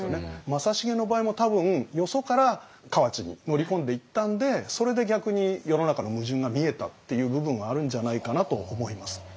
正成の場合も多分よそから河内に乗り込んでいったんでそれで逆に世の中の矛盾が見えたっていう部分はあるんじゃないかなと思います。